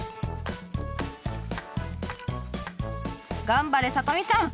頑張れ里美さん！